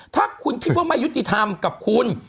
ถ้าคุณคิดว่าไม่ยุติธรรมกับคุณ